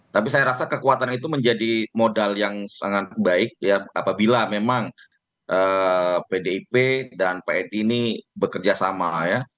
tapi saya rasa kekuatan itu menjadi modal yang sangat baik ya apabila memang pdip dan pdi ini bekerja sama ya